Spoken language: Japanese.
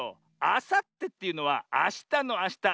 あさってっていうのはあしたのあした。